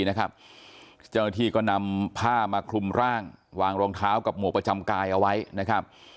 เจ้าหน้าที่ก็นำผ้ามาคลุมร่างวางรองเท้ากับหมวกประจำกายเอาไว้นะครับ